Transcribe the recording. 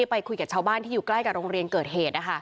ไปคุยกับชาวบ้านที่อยู่ใกล้กับโรงเรียนเกิดเหตุ